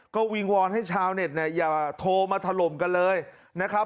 ก็วิงวอนให้ชาวเน็ตเนี่ยอย่าโทรมาถล่มกันเลยนะครับ